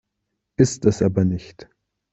Ist es aber nicht.